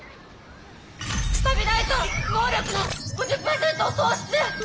スタビライザー能力の５０％を喪失！